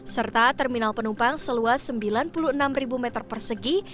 serta terminal penumpang seluas sembilan puluh enam meter persegi